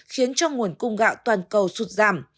khiến cho nguồn cung gạo toàn cầu sụt giảm